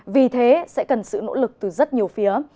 vì thế sẽ cần sự nỗ lực từ rất nhiều phía